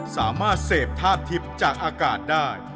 สามารถเสพธาตุทิพย์จากอากาศได้